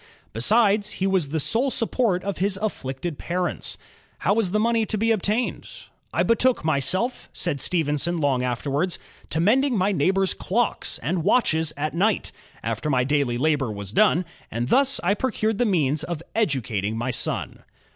Besides, he was the sole support of his afiiicted parents. How was the money to be obtained? ''I betook myself," said Stephen son long afterwards, *'to mending my neighbors' clocks and watches at night, after my daily labor was done, and thus I procured the means of educating my son."